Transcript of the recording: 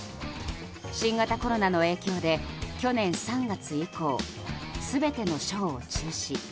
新型コロナの影響で去年３月以降全てのショーを中止。